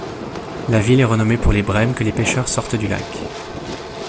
La ville est renommée pour les brèmes que les pêcheurs sortent du lac.